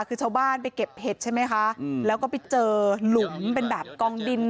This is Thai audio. คือชาวบ้านไปเก็บเห็ดใช่ไหมคะแล้วก็ไปเจอหลุมเป็นแบบกองดิน